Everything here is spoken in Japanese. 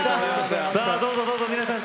さあどうぞどうぞ皆さん